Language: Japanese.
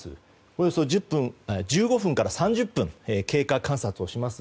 およそ１５分から３０分経過観察をします。